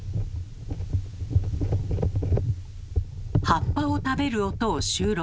葉っぱを食べる音を収録。